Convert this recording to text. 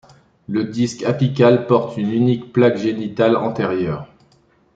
Le disque apical porte une unique plaque génitale antérieure.